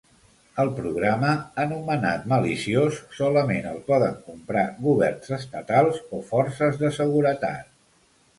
El programa, anomenat ‘maliciós’, solament el poden comprar governs estatals o forces de seguretat.